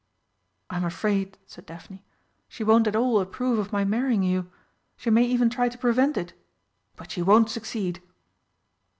"I'm afraid," said Daphne, "she won't at all approve of my marrying you she may even try to prevent it, but she won't succeed!"